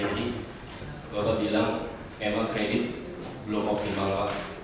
pertama untuk pemastikan dan jernih bapak bilang emang kredit belum optimal